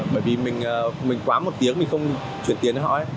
bởi vì mình quá một tiếng mình không chuyển tiền cho họ